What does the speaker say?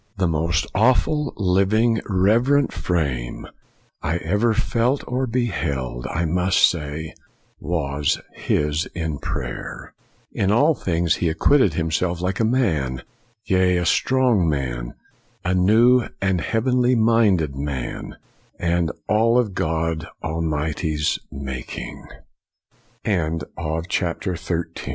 The most awful living, reverent frame I ever felt or beheld, I must say, was his in prayer. In all things he ac quitted himself like a man, yea, a strong man, a new and heavenly minded man, and all of God Almigh